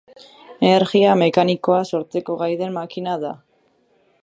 Energia mekanikoa sortzeko gai den makina da.